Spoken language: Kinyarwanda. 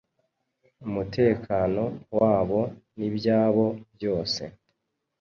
umutekano wabo n’ibyabo byose.